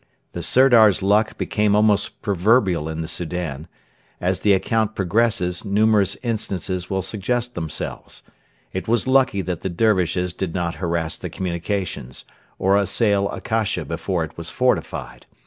The 'Sirdar's luck' became almost proverbial in the Soudan. As the account progresses numerous instances will suggest themselves. It was lucky that the Dervishes did not harass the communications, or assail Akasha before it was fortified.